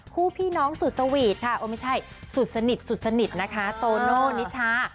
คู่พี่น้องสุดสวีตค่ะไม่ใช่สุดสนิทนะคะโตโน้นิชา